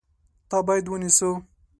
تا باید ونیسو !